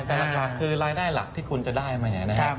แต่หลักคือรายได้หลักที่คุณจะได้มานะครับ